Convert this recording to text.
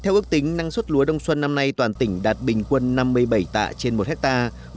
theo ước tính năng suất lúa đông xuân năm nay toàn tỉnh đạt bình quân năm mươi bảy tạ trên một hectare